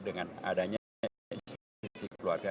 dengan adanya sebuah sebuah keluarga